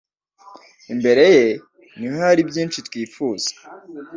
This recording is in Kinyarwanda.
imbere ye niho hari byinshi twifuza